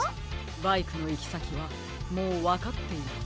バイクのいきさきはもうわかっています。